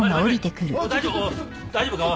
大丈夫か？